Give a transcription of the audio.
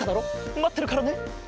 まってるからね。